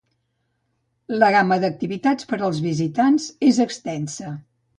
La gamma d'activitats per als visitants és extensa.